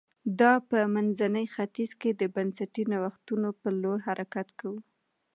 دا په منځني ختیځ کې د بنسټي نوښتونو په لور حرکت و